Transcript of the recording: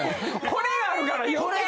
これがあるから。